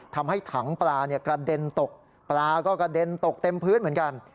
ทำให้ถังปลากระเด็นตกปลาก็กระเด็นตกเต็มพื้นเหมือนกัน